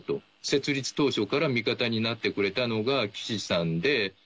設立当初から味方になってくれたのが岸さんで。